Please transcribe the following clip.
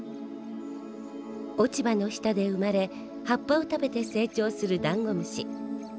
落ち葉の下で生まれ葉っぱを食べて成長するダンゴムシ。